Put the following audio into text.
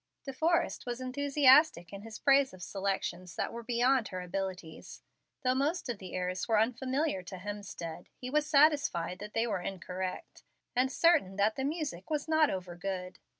De Forrest was enthusiastic in his praise of selections that were beyond her abilities. Though most of the airs were unfamiliar to Hemstead, he was satisfied that they were incorrect, and certain that the music was not over good.